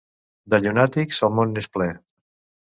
De llunàtics, el món n'és ple.